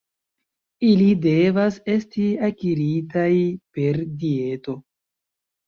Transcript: Ili devas esti akiritaj per dieto.